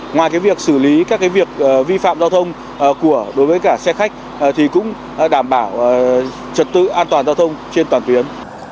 ngoài việc xử lý các việc vi phạm giao thông đối với cả xe khách thì cũng đảm bảo trật tự an toàn giao thông trên toàn tuyến